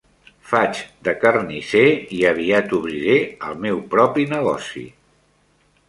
Faig de carnisser i aviat obriré el meu propi negoci.